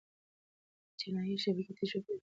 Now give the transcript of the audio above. جنایي شبکې تجربه لري.